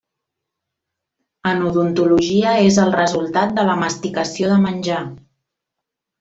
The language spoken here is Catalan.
En odontologia és el resultat de la masticació de menjar.